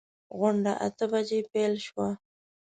غونډه اته بجې پیل شوه.